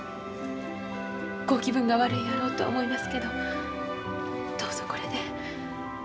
ご気分が悪いやろとは思いますけどどうぞこれで。